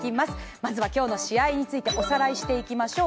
まずは今日の試合についておさらいしていきましょう。